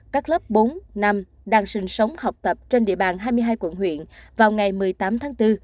các lớp bốn năm đang sinh sống học tập trên địa bàn hai mươi hai quận huyện vào ngày một mươi tám tháng bốn